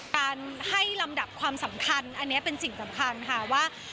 การให้ลำดับความสำคัญอันนี้เป็นสิ่งสำคัญค่ะว่า